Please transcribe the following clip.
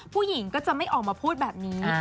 ผู้หญิงก็จะไม่ออกมาพูดแบบนี้